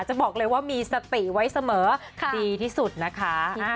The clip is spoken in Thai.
จะบอกเลยว่ามีสติไว้เสมอดีที่สุดนะคะ